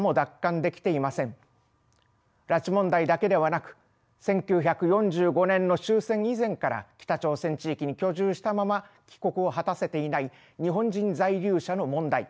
拉致問題だけではなく１９４５年の終戦以前から北朝鮮地域に居住したまま帰国を果たせていない日本人在留者の問題